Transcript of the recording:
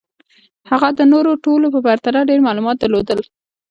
هغه د نورو ټولو په پرتله ډېر معلومات درلودل